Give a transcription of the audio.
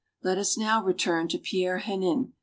Let us now return to Pierre Henin.